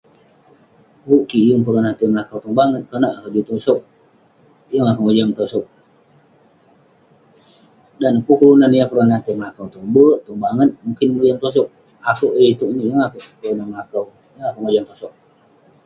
Kuk kik yeng pernah tai melakau tubang konak ak- juk tosoq. Yeng akeuk mojam tosoq. Dan pun kelunan yah pernah tai melakau tong bek, tong banget mungkin mojam tosoq. Akeuk ya iteuk ineh yeng akeuk [unintelligible] melakau, yeng akeuk mojam tosoq.